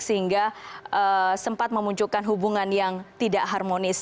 sehingga sempat memunculkan hubungan yang tidak harmonis